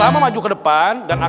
maksud ustadz adalah